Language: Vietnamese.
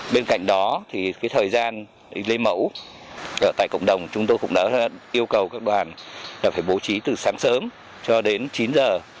bên cạnh đó thì thời gian lấy mẫu tại cộng đồng chúng tôi cũng đã yêu cầu các đoàn phải bố trí từ sáng sớm cho đến chín giờ